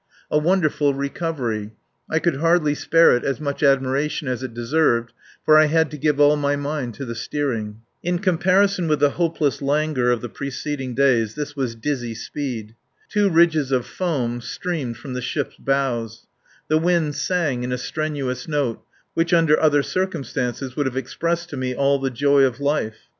A wonderful recovery. I could hardly spare it as much admiration as it deserved, for I had to give all my mind to the steering. In comparison with the hopeless languour of the preceding days this was dizzy speed. Two ridges of foam streamed from the ship's bows; the wind sang in a strenuous note which under other circumstances would have expressed to me all the joy of life.